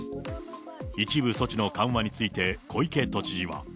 一部措置の緩和について、小池都知事は。